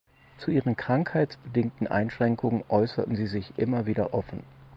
Zu ihren krankheitsbedingten Einschränkungen äusserte sie sich immer wieder offen.